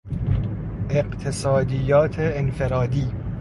اقتصادیات انفرادی